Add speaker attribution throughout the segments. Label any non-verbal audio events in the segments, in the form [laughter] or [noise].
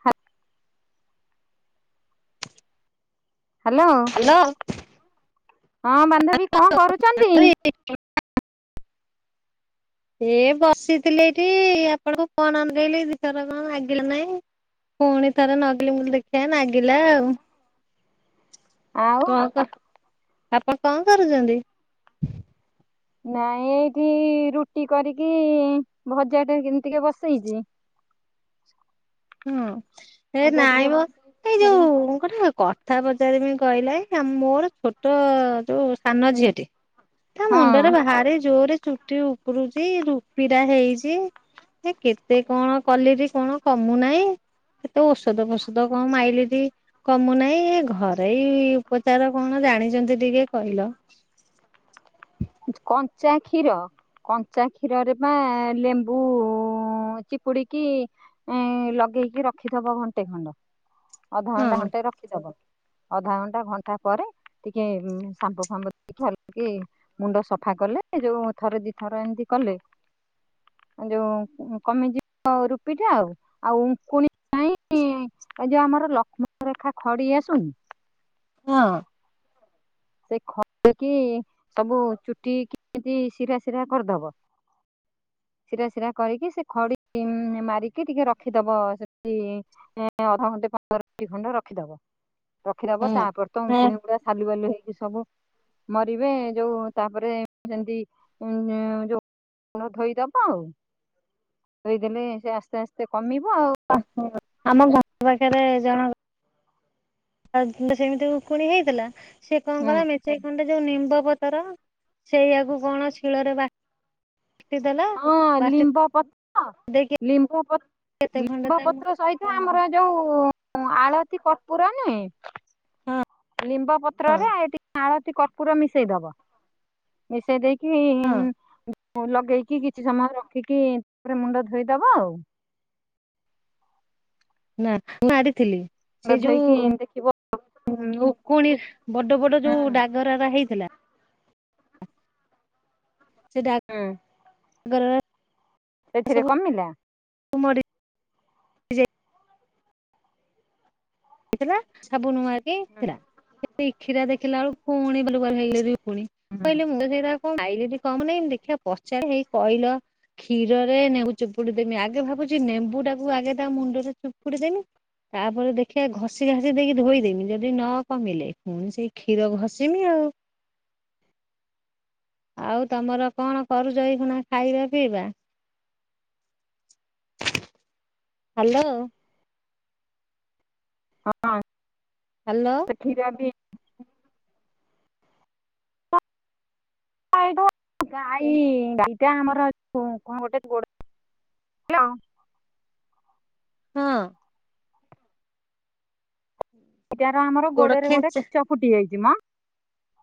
Speaker 1: ହା। Hello
Speaker 2: hello
Speaker 1: ହଁ ବାନ୍ଧବୀ କଣ କରୁଛନ୍ତି?
Speaker 2: [unintelligible] ଏ ବସିଥିଲି ଏଇଠି ଆପଣଙ୍କୁ ଫୋନ୍ ଲଗେଇଲି ଦିଥର କଣ ଲାଗିଲା ନାହିଁ। ପୁଣି ଥରେ ନଗେଇଲି ମୁଁ କହିଲି ଦେଖିବା ନାଗିଲା ଆଉ।
Speaker 1: ଆଉ
Speaker 2: କଣ କ ଆପଣ କଣ କରୁଛନ୍ତି?
Speaker 1: ନାଇଁ ଏଇଠି ରୁଟି କରିକି ଭଜା ଟା କେମିତିକା ବସେଇଛି।
Speaker 2: ହୁଁ ହେ
Speaker 1: ଭଜା ଟିକେ
Speaker 2: ନାଇଁ ମ
Speaker 1: ବସେଇଛି
Speaker 2: ଏଇ
Speaker 1: ହେଲେ
Speaker 2: ଯୋଉ ଗୋଟେ କ କଥା ପଚାରିବି କହିଲେ କି ମୋର ଛୋଟ ଯୋଉ ସାନ ଝିଅଟି। ତା ମୁଣ୍ଡରେ
Speaker 1: ହଁ
Speaker 2: ଭାରି ଜୋରେ ଚୁ ଟି ଉପୁଡୁଛି ରୁପିଟା ହେଇଛି ଏ କେତେ କଣ କଲିରି କଣ କ କମୁୁନାଇଁ କେତେ ଔଷଧ ଫୋଷଧ କଣ ମାଇଲିରି କମୁନାହିଁ ଘରୋଇ ଉପଚାର କଣ ଜାଣିଛନ୍ତି ଟିକେ କହିଲ।
Speaker 1: କଞ୍ଚା କ୍ଷୀର କଞ୍ଚା କ୍ଷୀରରେ ବା ଲେମ୍ବୁ ଚିପୁଡ଼ିକି ଏଁ ଲଗେଇକି ରଖିଥବ ଘଣ୍ଟେ ଖଣ୍ଡ ଅଧଘଣ୍ଟା
Speaker 2: ହଁ।
Speaker 1: ଘଣ୍ଟେ ରଖ ରଖିଦବ ଅଧା ଘଣ୍ଟା ଘଣ୍ଟା ପରେ ଟିକେ ସାମ୍ପୁ ଫାମ୍ପୁ [unintelligible] ମୁଣ୍ଡ ସଫା କଲେ ଯୋଉ ଥରେ ଦି ଥର ଏମତି କଲେ। ଯୋଉ କମିଯିବ ରୁପି ଟା ଆଉ ଆଉ ଉଙ୍କୁଣି ପାଇଁ ଇଁ ଏ ଯୋଉ ଆମର ଲକ୍ଷ୍ମଣ ରେଖା ଖଡି ଆସୁନି।
Speaker 2: ହଁ।
Speaker 1: ସେ ଖଡିକିି ସବୁ ଚୁଟି କେମିତି ଶିରା ଶିରା କରିଦବ। ସିରା ସିରା କରିକି ସେ ଖଡି ମାରିକି ଟିକେ ରଖିଦବ ସେଠି। ଅଧଘଣ୍ଟେ ପନ୍ଦର ମିନିଟ୍ ଖଣ୍ଡେ ରଖିଦବ। ରଖିଦବ ତାପରେ ତ
Speaker 2: ହଁ।
Speaker 1: ଉଙ୍କୁଣି ଗୁଡା ସାଲୁ ବାଲୁ ହେଇକି ସବୁ ମରିବେ ଯୋଉ ତାପରେ ସେମିତି ଯୋଉ ମୁଣ୍ଡ ଧୋଇଦବ ଆଉ ଧୋଇଦେଲେ ସେ ଆସ୍ତେ ଆସ୍ତେ କମିବ ଆଉ।
Speaker 2: [unintelligible] ଆମ ଘର ପାଖରେ ଜଣଙ୍କ ତାର ସେମିତି ଉକୁଣି ହେଇଥିଲା ସିଏ କଣ
Speaker 1: ହୁଁ
Speaker 2: କଲା ମେଞ୍ଚେଇ ଖଣ୍ଡେ ଯୋଉ ନିମ୍ବ ପତର ସେଇଆକୁ କଣ ଶିଳରେ ବା
Speaker 1: ହଁ ଲିମ୍ବ ପତ୍ର
Speaker 2: ଦେଇକି
Speaker 1: ଲମ୍ବ ପ
Speaker 2: କେତେ ଖଣ୍ଡେ
Speaker 1: ଲିମ୍ବ
Speaker 2: ତା
Speaker 1: ପତ୍ର ସହିତ
Speaker 2: ହଁ
Speaker 1: ଆମର ଯୋଉ ଆଳତି କର୍ପୂର ନୁହେଁ
Speaker 2: ହଁ
Speaker 1: ଲିମ୍ବ ପତ୍ରରେ ଟି ଆଳତି କର୍ପୂର ମିଶେଇଦବ ମିଶେଇ ଦେଇକି
Speaker 2: ହଁ
Speaker 1: ଲଗେଇ କି କିଛି ସମୟ ରଖିକି ତାପରେ ମୁଣ୍ଡ ଧୋଇଦବ ଆଉ।
Speaker 2: ନା ମୁଁ ମାରିଥିଲି
Speaker 1: ମୁଣ୍ଡ
Speaker 2: ସେ
Speaker 1: ଧୋଇକି ଦେଖିବ
Speaker 2: ଯୋଉ ଉକୁଣି ବଡ-ବଡ
Speaker 1: ହୁଁ
Speaker 2: ଯୋଉ ଡାଗରାରା ହେଇଥିଲା ସେ
Speaker 1: ହୁଁ
Speaker 2: ଡଗରା
Speaker 1: ସେଥିରେ କମିଲା
Speaker 2: ସବୁ ମରି ଥିଲା ସବାନୁ ମାରି ଥିଲା
Speaker 1: ହୁଁ
Speaker 2: ପିଠିରେ ଦେଖିଲା ବେଳୁକୁ ପୁଣି ବାଲୁ-ବାଲୁ ହେଇଗଲେରେ ଉକୁଣୀ।
Speaker 1: ହଁ
Speaker 2: କହିଲେ ମୁଁଣ୍ଡ ଧୋଇ କଣ ଖାଇ କମୁ ନାଇଁ ମୁ ଦେଖିଆ ପଚାରେ ହେଇ କହିଲ କ୍ଷୀରରେ ନେମ୍ବୁ ଚୁପୁଡ଼ି ଦେମି ଆଗେ ଭାବୁଚି ନେମ୍ବୁ ଟାକୁ ଆଗେ ତା ମୁଣ୍ଡରେ ଚୁପୁଡି ଦେମି ତାପରେ ଦେଖି ଖୀଆ ଘଷି ଘାସି ଦେଇକି ଧୋଇଦେମି ଯଦି ନ କମିଲେ ପୁଣି ସେଇ କ୍ଷୀର ଘସିମି ଆଉ। ଆଉ ତମର କଣ କରୁଚ ଏଇଖୁଣା ଖାଇବା ପିଇବା? ହାଲୋ।
Speaker 1: ହଁ।
Speaker 2: ହାଲୋ।
Speaker 1: ସେ କ୍ଷୀର ବି ଏଇଟା ଗାଈ ଦିଟା ଆମର କଣ ଗୋଟେ ଗୋଡ଼ ହାଲୋ।
Speaker 2: ହଁ।
Speaker 1: ଏଟାର ଆମର
Speaker 2: ଗୋଡ
Speaker 1: ଗୋଡ଼ରେ ଗୋଟେ
Speaker 2: ଖେଞ୍ଚା
Speaker 1: କାଚ ଫୁଟି ଯାଇଚି ମୋ।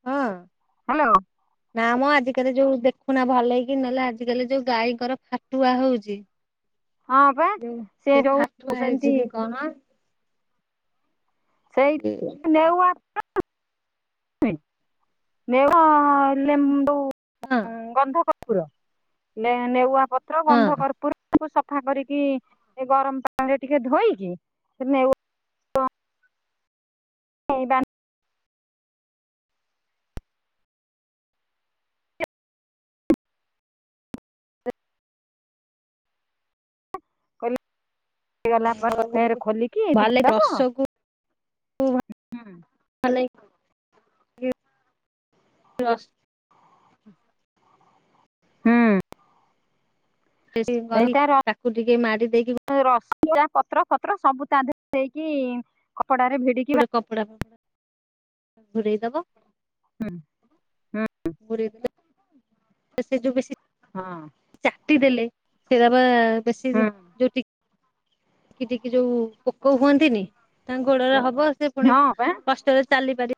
Speaker 2: ହଁ।
Speaker 1: ହାଲୋ।
Speaker 2: ନାମୋ ଆଜିକାଲି ଯୋଉ ଦେଖୁନା ଭଲକିନି ନହେଲେ ଆଜିକାଲି ଯୋଉ ଗାଈଙ୍କର ଫାଟୁଆ ହଉଚି
Speaker 1: ହଁ ପା
Speaker 2: ଯୋଉ
Speaker 1: ସେ
Speaker 2: ସେଇ
Speaker 1: ଯୋଉ
Speaker 2: ଫାଟୁଆ
Speaker 1: ସେମିତି
Speaker 2: ହେଇଚିକି କଣ। କେଆଣି।
Speaker 1: [unintelligible] ଲିମ୍ବୁ
Speaker 2: ହଁ।
Speaker 1: ଗନ୍ଧ କର୍ପୂର ନେଉଆ ପତ୍ର ଗନ୍ଧ
Speaker 2: ହଁ
Speaker 1: କର୍ପୂର ତାକୁ ସଫା କରିକି ଏଗରମ ପାଣିରେ ଟିକେ ଧୋଇକି ସେନେଉ [unintelligible] [unintelligible] ଦେଲାପରେ ଫେରେ ଖୋଲିକି
Speaker 2: ଭଲେଇ
Speaker 1: ଧୋଇଦବ
Speaker 2: ରସକୁ [unintelligible]
Speaker 1: [inaudible] ହୁଁ
Speaker 2: [unintelligible] ତାକୁ ଟିକେ ମାଡ଼ି ଦେଇକି
Speaker 1: [unintelligible] ରସିକିଆ ପତ୍ର ଫତ୍ର ସବୁ ତା ଦେହରେ ଦେଇକି କପଡ଼ାରେ ଭିଡ଼ି
Speaker 2: ଗୋଟେ କପଡ଼ା ଫପଡ଼ା ଘୋଡେ଼ଇ ଦବ
Speaker 1: ହୁଁ-ହୁଁ।
Speaker 2: ଗୁରେଇ ଦେଲେ ସେଯୋଉ ବେଶି
Speaker 1: ହୁଁ
Speaker 2: ଚାଟି ଦେଲେ ସେରାପା ବେଶୀ ଯୋଉ ଟିକି-ଟିକି ଯୋଉ ପୋକ ହୁଅନ୍ତିନି ତାଙ୍କ ଗୋଡ଼ରେ ହବ ସେଫୁଣି
Speaker 1: ହଁ ପା
Speaker 2: କଷ୍ଟରେ ଚାଲିପାରି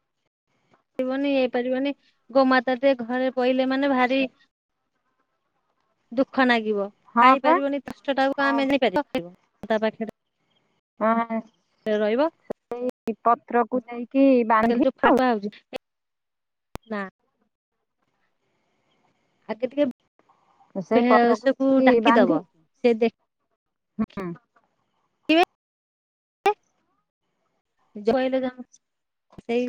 Speaker 2: ବନି ହେଇପାରିବନି ଗୋମାତାଟେ ଘରେ ପଇଲେ ମାନେ ଭାରି ଦୁଃଖ ଲାଗିବ
Speaker 1: ହଁ ପା
Speaker 2: ଖାଇପାରିବନି କଷ୍ଟ ଟାକୁ ଆମେ କଁ ନେଇପାରିବା ତା ପାଖରୁ
Speaker 1: ହଁ।
Speaker 2: ରହିବ
Speaker 1: ସେଇ ପତ୍ରକୁ ନେଇକି ବାନ୍ଧି
Speaker 2: [unintelligible] ନା ଆଗେ
Speaker 1: ସେଇ
Speaker 2: ଟିକେ
Speaker 1: ପତ୍ରକୁ
Speaker 2: ସବୁ
Speaker 1: ଦେଇକି
Speaker 2: ଡାକିଦବ ସେ ଦେ
Speaker 1: ହଁ।
Speaker 2: ଯୋଇଲେ ଯାଉଛି ସେଇ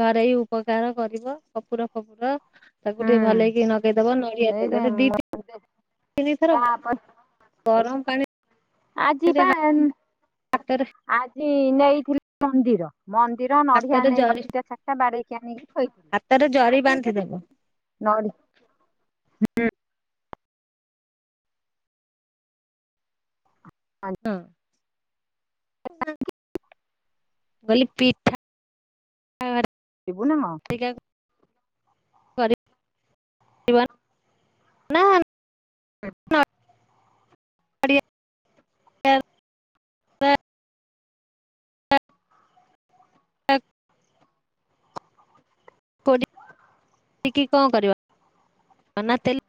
Speaker 2: ଘରେଇ ଉପକାର କରିବ କପୁର ଫପୁର ତାକୁ ଟିକେ
Speaker 1: ହୁଁ
Speaker 2: ଭଲ ହେଇକି ନଗେଇଦବା ନଡ଼ିଆ
Speaker 1: ସେଇ
Speaker 2: ତେଲରେ ଦିଥି ତିନିଥର ଅବ
Speaker 1: ତାପରେ
Speaker 2: ଗରମ ପାଣି
Speaker 1: ଆଜି ପାନ
Speaker 2: ହାତରେ
Speaker 1: ଆଜି ନେଇଥିଲି। ମନ୍ଦିର ମନ୍ଦିର ନଡିଆ
Speaker 2: ହାତରେ
Speaker 1: ନେଇକିଟା ଚାଟା ବାଡେଇକି ଆଣିଲି ଥୋଇ।
Speaker 2: ତାର ଜରି ବାନ୍ଧିଦେବ।
Speaker 1: ନଡିଆ ହୁଁ
Speaker 2: ହଁ
Speaker 1: [unintelligible]
Speaker 2: ବୋଲି ପିଠା ଆର
Speaker 1: ଯିବୁ ନା ହଁ
Speaker 2: ନା [unintelligible]
Speaker 1: ହ [unintelligible]
Speaker 2: [unintelligible] ଆ [unintelligible] [unintelligible] କଣ କରିବ [unintelligible]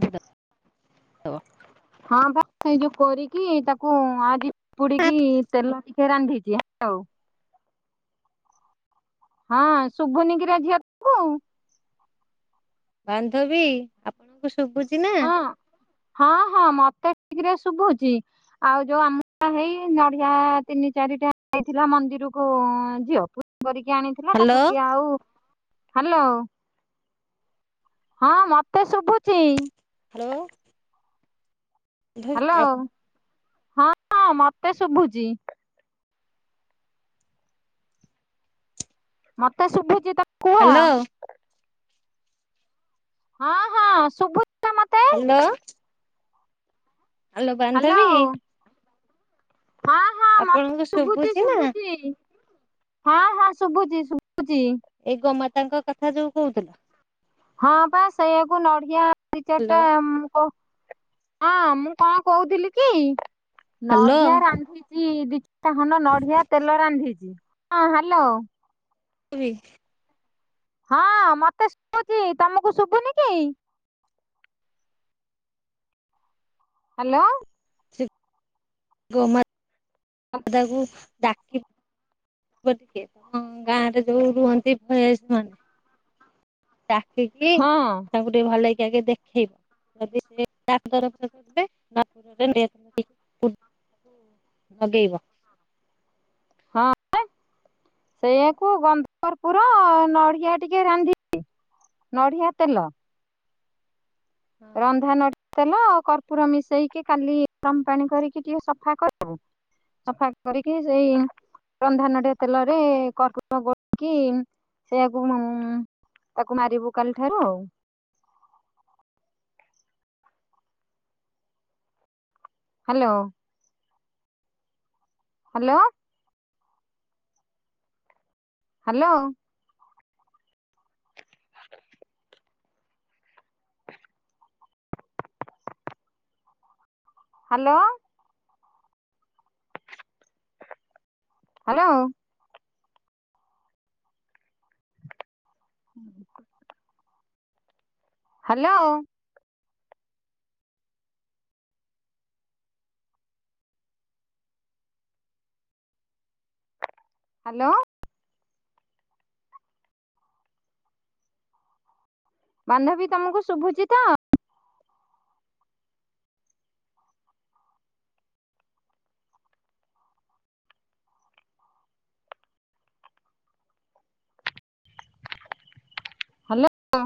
Speaker 2: ଧଦ [inaudible]
Speaker 1: ହଁ ଭାଇ ଏଇ ଯୋଉ କରିଚି ତାକୁ ଆଜି ପୁଡିକି ତେଲ ଟିକେ ରାନ୍ଧିଛି ହା ଆଉ ହଁ ଶୁଭୁନିକିରା ଝିଅ କୁ
Speaker 2: ବାନ୍ଧବୀ ଆପଙ୍କୁ ଶୁଭୁଛି ନା
Speaker 1: ହଁ ହଁ ହଁ ମତେ ଠିକି ରେ ଶୁଭୁଛି। ଆଉ ଯୋଉ ଆମତ ହେଇ ନଡିଆ ତିନି ଚାରିଟା ହେଇଥିଲା ମନ୍ଦିରିକୁ ଝିଅକୁ କରିକି ଆଣିଥିଲା
Speaker 2: ହ୍ୟାଲୋ।
Speaker 1: ତାକୁ କିଏ ଆଉ ହ୍ୟାଲୋ ହଁ ମତେ ଶୁଭୁଛି।
Speaker 2: ହ୍ୟାଲୋ।
Speaker 1: ହ୍ୟାଲୋ ହଁ ହଁ ମତେ ଶୁଭୁଛି। ମତେ ଶୁଭୁଛି [unintelligible]
Speaker 2: ହ୍ୟାଲୋ।
Speaker 1: ହଁ ହଁ ଶୁଭୁଚୁ
Speaker 2: ହ୍ୟାଲୋ। ହ୍ୟାଲୋ ବାନ୍ଧବି।
Speaker 1: ହ୍ୟାଲୋ ହଁ ହଁ ମତେ
Speaker 2: ଆପଣଙ୍କୁ
Speaker 1: ଶୁଭୁଛି
Speaker 2: ନା
Speaker 1: ଶୁଭୁଛି ହଁ ହଁ ଶୁଭୁଛି ଶୁଭୁଛି
Speaker 2: ଏଇ ଗ ମାତାଙ୍କ କଥା ଯୋଉ କହୁଥିଲ।
Speaker 1: ହଁ ବା ସେଇୟଆକୁ ନଡିଆ ଦି ଚାରିଟା
Speaker 2: ହ୍ୟାଲୋ।
Speaker 1: ଉଁ କ ହଁ ମୁଁ କଣ କହୁଥିଲି କି
Speaker 2: ହ୍ୟାଲୋ।
Speaker 1: ନଡିଆ ରାନ୍ଧିଛି ଦି ତାହନ ନଡିଆ ତେଲ ରାନ୍ଧିଛି ହଁ ହ୍ୟାଲୋ।
Speaker 2: [unintelligible]
Speaker 1: ହଁ ମତେ ଶୁଭୁଛି ତମକୁ ଶୁଭୁନି କି? ହ୍ୟାଲୋ।
Speaker 2: ଗୋମାତ ତାକୁ ଡାକି ଭୋର ଟିକେ ତମ ଗାଁ ରେ ଯୋଉ ରୁହନ୍ତି ଭୟସୀ ମାନେ ଡାକିକି
Speaker 1: ହଁ
Speaker 2: ତାଙ୍କୁ ଟିକେ ଭଲ ହେଇକି ଆଗେ ଦେଖେଇବ। [inaudible] ହୁଁ। ଲଗେଇବ।
Speaker 1: ହଁ ସେଇଆ କୁ ଗନ୍ଧ କର୍ପୁର ନଡ଼ିଆ ଟିକିଏ ରାନ୍ଧି ନଢ଼ିଆ ତେଲ। ରନ୍ଧା ନଡ଼ି ତେଲ କର୍ପୁର ମିଶେଇକି କାଲି ରମ ପାଣି କରିକି ଟିକେ ସଫା କର ଦବୁ। ସଫା କରିକି ସେଇ। ରନ୍ଧା ନଡିଆ ତେଲରେ କର୍ପୁ [inaudible] ସେଇଆକୁ ମମ୍ମ। ତାକୁ ମାରିବୁ କାଲି ଠାରୁ ଆଉ। ହାଲୋ। ହାଲୋ। ହାଲୋ। ହ ହାଲୋ। ହାଲୋ। ହୁଁ। ହାଲୋ। ହାଲୋ। ବାନ୍ଧବୀ ତମକୁ ଶୁଭୁଛି ତ। ହାଲୋ।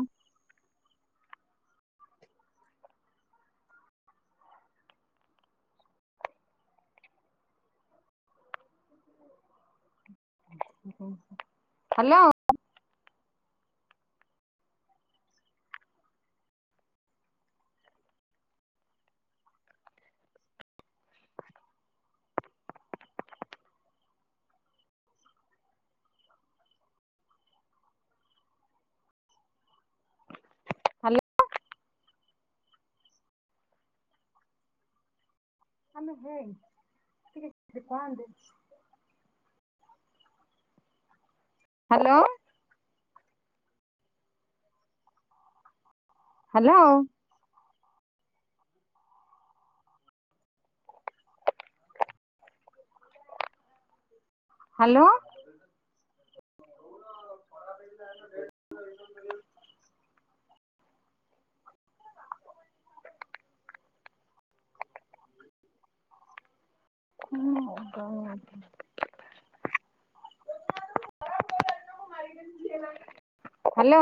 Speaker 1: ହାଲୋ। ହ୍ୟାଲୋ ଆଲ ହେଇ [unintelligible] ହାଲୋ। ହାଲୋ। ହାଲୋ। [inaudible]
Speaker 2: ଆ [inaudible]
Speaker 1: ହାଲୋ।